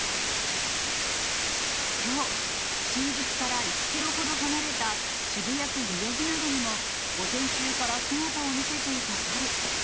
きょう、新宿から１キロほど離れた渋谷区代々木などにも午前中から姿を見せていた猿。